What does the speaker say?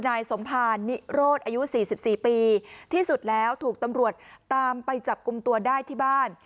นายสมภารนิโรธอายุ๔๔ปีที่สุดแล้วถูกตำรวจตามไปจับกลุ่มตัวได้ที่บ้าน